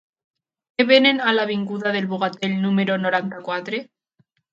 Què venen a l'avinguda del Bogatell número noranta-quatre?